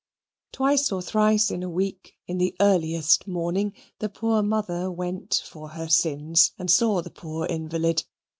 Twice or thrice in a week, in the earliest morning, the poor mother went for her sins and saw the poor invalid.